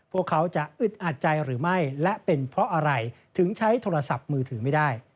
พวกเขาจะอึดอัดใจหรือไม่และเป็นเพราะอะไรถึงใช้โทรศัพท์มือถือไม่ได้